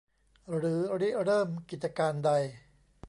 หรือริเริ่มกิจการใด